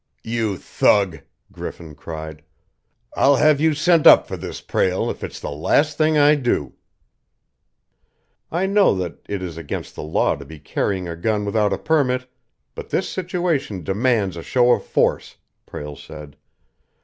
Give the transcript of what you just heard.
"You thug!" Griffin cried. "I'll have you sent up for this, Prale, if it's the last thing I do!" "I know that it is against the law to be carrying a gun without a permit, but this situation demands a show of force," Prale said.